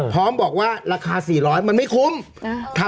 พร้อมบอกว่าราคา๔๐๐มันไม่คุ้ม